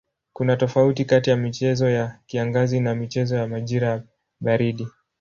Kuna tofauti kati ya michezo ya kiangazi na michezo ya majira ya baridi.